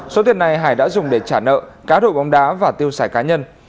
số tiền này hải đã dùng để trả nợ cáo đổi bóng đá và tiêu sải cá nhân